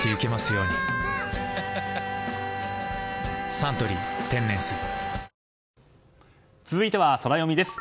「サントリー天然水」続いてはソラよみです。